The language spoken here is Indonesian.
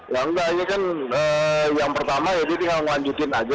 yang pertama ya tinggal melanjutkan aja